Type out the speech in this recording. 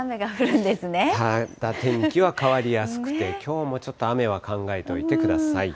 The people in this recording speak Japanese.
天気は変わりやすくて、きょうもちょっと雨は考えておいてください。